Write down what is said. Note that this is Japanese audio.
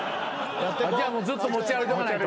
じゃあずっと持ち歩いとかないと。